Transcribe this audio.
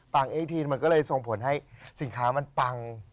เอทีนมันก็เลยส่งผลให้สินค้ามันปัง